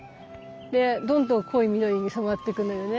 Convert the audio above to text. でどんどん濃い緑に染まってくのよね